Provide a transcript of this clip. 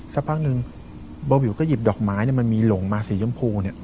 สักพักนึงบอวิวก็หยิบดอกไม้มีหลงมาสีชมพู